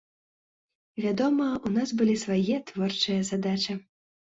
Вядома, у нас былі свае творчыя задачы.